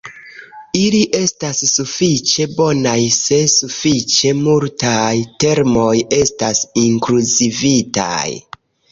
Ili estas sufiĉe bonaj se sufiĉe multaj termoj estas inkluzivitaj.